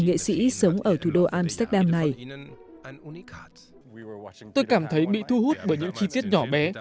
nghệ sĩ sống ở thủ đô amsterdam này tôi cảm thấy bị thu hút bởi những chi tiết nhỏ bé